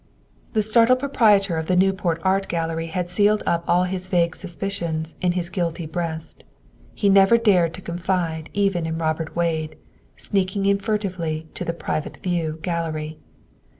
The startled proprietor of the Newport Art Gallery had sealed up all his vague suspicions in his guilty breast. He never dared to confide even in Robert Wade, sneaking in furtively to the "private view" gallery.